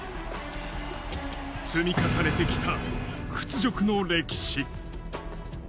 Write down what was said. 積み重ねてきた屈辱の歴史。